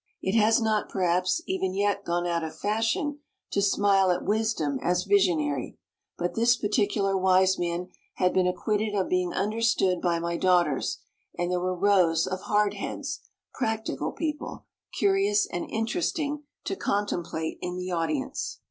It has not, perhaps, even yet gone out of fashion to smile at wisdom as visionary, but this particular wise man had been acquitted of being understood by my daughters, and there were rows of "hardheads," "practical people," curious and interesting to contemplate in the audience.